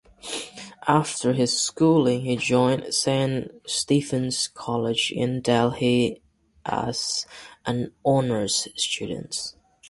After his schooling he joined Saint Stephen's College in Delhi as an honours student.